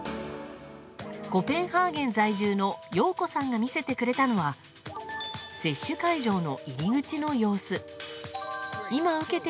コペンハーゲン在住の庸子さんが見せてくれたのは接種会場の入り口の様子。